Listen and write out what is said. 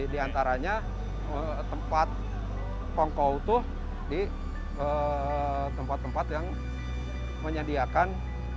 di antaranya tempat kongkol tuh di tempat tempat yang menyediakan